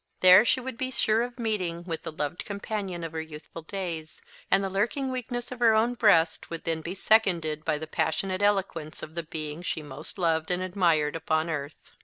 There she would be sure of meeting with the loved companion of her youthful days; and the lurking weakness of her own breast would then be seconded by the passionate eloquence of the being she most loved and admired upon earth.